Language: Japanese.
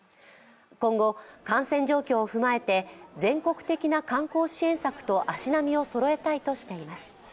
今後、感染状況を踏まえて、全国的な観光支援策と足並みをそろえたいとしています。